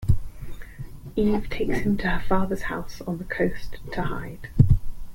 Eve takes him to her father's house on the coast to hide.